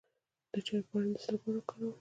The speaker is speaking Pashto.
د چای پاڼې د څه لپاره وکاروم؟